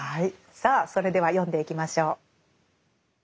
さあそれでは読んでいきましょう。